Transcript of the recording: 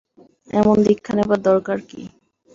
এমন দীক্ষা নেবার দরকার কী?